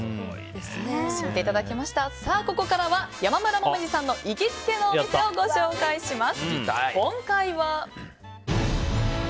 ここからは山村紅葉さんの行きつけのお店をご紹介します。